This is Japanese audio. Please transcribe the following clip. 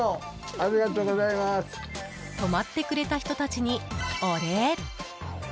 止まってくれた人たちにお礼。